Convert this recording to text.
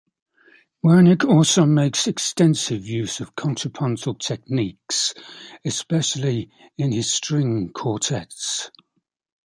Wernick also makes extensive use of contrapuntal techniques, especially in his string quartets.